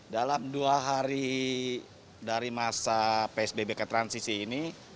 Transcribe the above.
dalam dua hari dari masa psbb ke transisi ini